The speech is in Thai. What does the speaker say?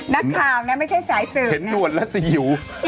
นักข่าวนะไม่ใช่สายสืบเห็นหนวดแล้วจะหิว